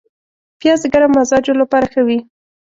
پیاز د ګرم مزاجو لپاره ښه وي